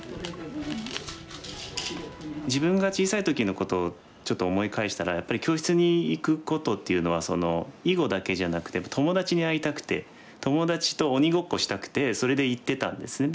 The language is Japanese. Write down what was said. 自分が小さい時のことをちょっと思い返したらやっぱり教室に行くことっていうのは囲碁だけじゃなくて友達に会いたくて友達と鬼ごっこしたくてそれで行ってたんですね。